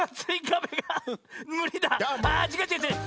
あちがうちがうちがう！